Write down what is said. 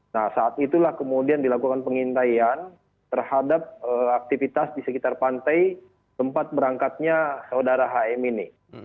nah saat itulah kemudian dilakukan pengintaian terhadap aktivitas di sekitar pantai tempat berangkatnya saudara hm ini